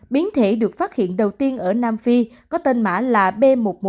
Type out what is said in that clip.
biến thể được phát hiện đầu tiên ở nam phi có tên mã là b một một năm trăm hai mươi chín